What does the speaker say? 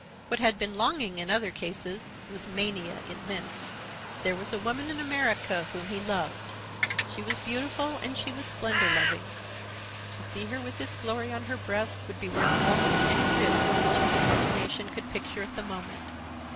What had been longing in other cases was mania in this. There was a woman in America whom he loved. She was beautiful and she was splendor loving. To see her with this glory on her breast would be worth almost any risk which his imagination could picture at the moment.